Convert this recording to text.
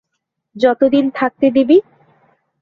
যত দিন থাকতে দিবি।